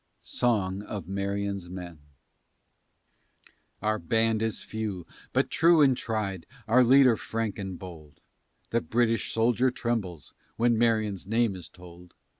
SONG OF MARION'S MEN Our band is few, but true and tried, Our leader frank and bold; The British soldier trembles When Marion's name is told.